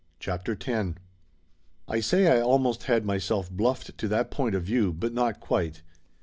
CHAPTER X T say I almost had myself bluffed to that point of * view, but not quite.